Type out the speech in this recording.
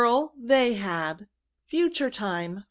They had. Future Time.